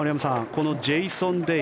このジェイソン・デイ